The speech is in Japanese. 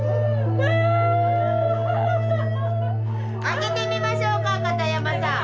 開けてみましょうか片山さん。